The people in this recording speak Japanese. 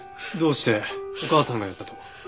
どうしてお母さんがやったと？